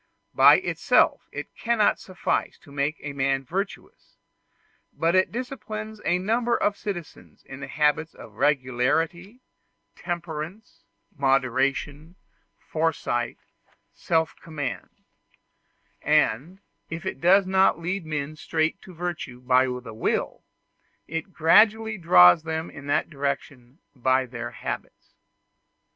By itself it cannot suffice to make a man virtuous, but it disciplines a number of citizens in habits of regularity, temperance, moderation, foresight, self command; and, if it does not lead men straight to virtue by the will, it gradually draws them in that direction by their habits.